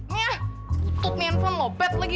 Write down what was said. nih putut nih handphone lobet lagi